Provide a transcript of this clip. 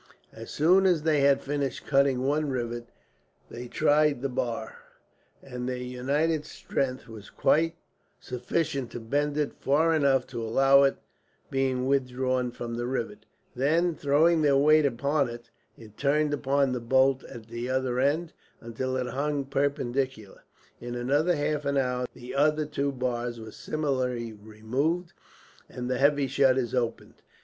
As soon as they had finished cutting one rivet they tried the bar, and their united strength was quite sufficient to bend it far enough to allow it being withdrawn from the rivet; then, throwing their weight upon it, it turned upon the bolt at the other end, until it hung perpendicularly. In another half hour the other two bars were similarly removed, and the heavy shutters opened.